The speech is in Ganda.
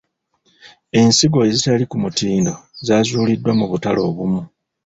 Ensigo ezitali ku mutindo zaazuuliddwa mu butale obumu.